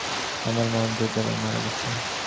আমাদের মহান যোদ্ধারাও মারা গেছে।